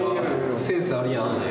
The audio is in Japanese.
センスあるやん。